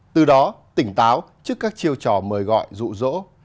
từ đó tỉnh táo trước các chiêu trò mời gọi dụ dỗ